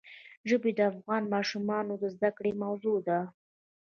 ژبې د افغان ماشومانو د زده کړې موضوع ده.